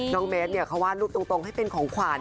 น้องเม็ดเนี่ยเขาวาดรูปให้เป็นของขวัญ